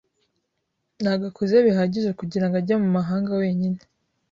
Ntabwo akuze bihagije kugirango ajye mu mahanga wenyine.